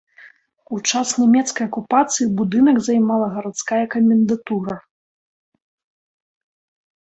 У час нямецкай акупацыі будынак займала гарадская камендатура.